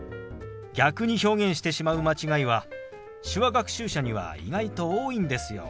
逆に表現してしまう間違いは手話学習者には意外と多いんですよ。